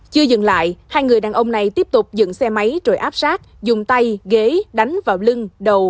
chưa dừng lại hai người đàn ông này tiếp tục dựng xe máy rồi áp sát dùng tay ghế đánh vào lưng đầu